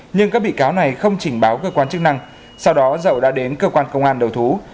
nhưng các bị cáo này không trình báo cơ quan chức năng sau đó dậu đã đến cơ quan công an đầu thú